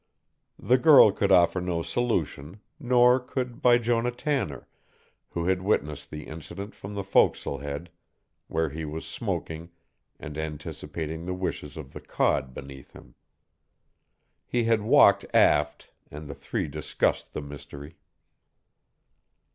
The girl could offer no solution, nor could Bijonah Tanner, who had witnessed the incident from the forecastle head where he was smoking and anticipating the wishes of the cod beneath him. He had walked aft, and the three discussed the mystery.